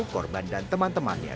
korban dan teman temannya